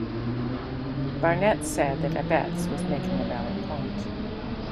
Barnett said that Abetz was making a valid point.